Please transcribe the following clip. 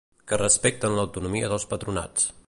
Que respecten l’autonomia dels patronats.